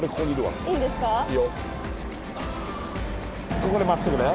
ここでまっすぐだよ。